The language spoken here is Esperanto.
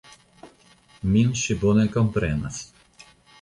Min ŝi bone komprenas.